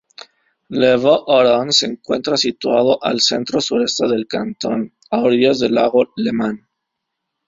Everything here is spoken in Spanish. Lavaux-Oron se encuentra situado al centro-sureste del cantón, a orillas del lago Lemán.